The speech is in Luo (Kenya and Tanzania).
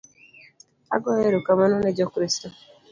Agoyo erokamano ne jo Kristo